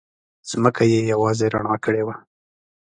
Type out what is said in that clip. ځمکه یې یوازې رڼا کړې وه.